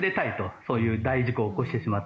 そういう大事故を起こしてしまった。